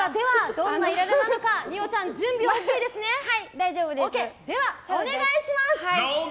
どんなイライラなのか二葉ちゃん、準備はいいですねお願いします！